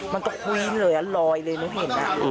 มันก็คุยเลยอ่ะลอยเลยมึงเห็นอ่ะ